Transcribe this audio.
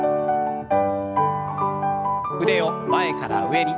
腕を前から上に。